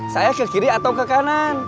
saya ke kiri atau ke kanan